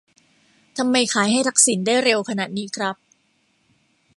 ทำไมขายให้ทักษิณได้เร็วขนาดนี้ครับ